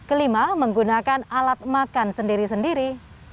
kelima menggunakan alat makan sendiri sendiri